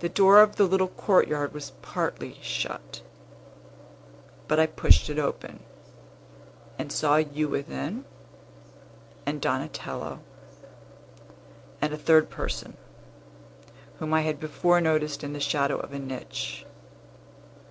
The door of the little courtyard was partly shut; but I pushed it open, and saw you within, and Donatello, and a third person, whom I had before noticed in the shadow of a niche.